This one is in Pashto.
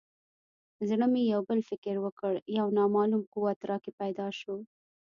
زړه مې یو بل فکر وکړ یو نامعلوم قوت راکې پیدا شو.